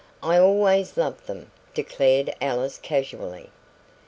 "I always loved them," declared Alice casually.